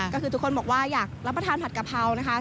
ก็คือทุกคนบอกว่าอยากรับประทานผัดกะเพรานะคะ